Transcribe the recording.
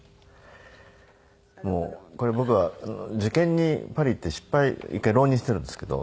もうこれ僕は受験にパリ行って失敗１回浪人してるんですけど。